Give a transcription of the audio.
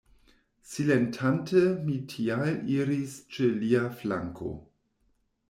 Silentante mi tial iris ĉe lia flanko.